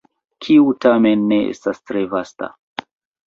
Kiu, tamen, ne estas tre vasta.